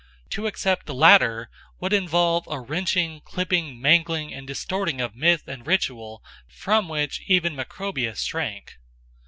To accept the latter would involve a wrenching, clipping, mangling, and distorting of myth and ritual from which even Macrobius shrank.